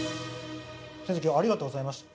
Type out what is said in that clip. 先生今日はありがとうございました。